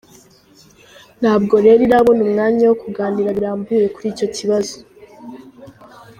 Ntabwo rero irabona umwanya wo kuganira birambuye kuri icyo kibazo.